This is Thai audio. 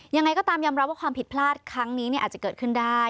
ยังไงก็ตามยอมรับว่าความผิดพลาดครั้งนี้อาจจะเกิดขึ้นได้